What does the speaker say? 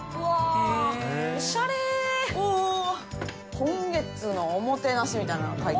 「今月のおもてなし」みたいなのが書いてるのよ。